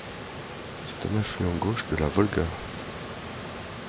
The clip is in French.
C'est un affluent gauche de la Volga.